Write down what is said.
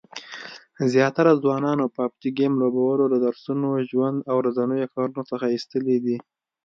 زیاتره ځوانان پابجي ګیم لوبولو له درسونو، ژوند او ورځنیو کارونو څخه ایستلي دي